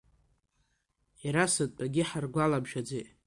Иара сынтәагьы ҳаргәаламшәаӡеит.